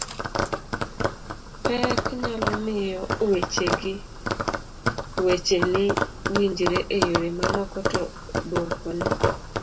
pek nyalo miyo weche ni winjre e yore mamoko to duokone